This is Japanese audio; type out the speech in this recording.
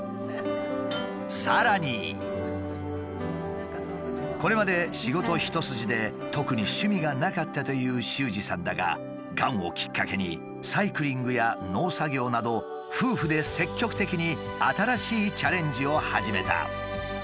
さらにこれまで仕事一筋で特に趣味がなかったという秀司さんだががんをきっかけにサイクリングや農作業など夫婦で積極的に新しいチャレンジを始めた。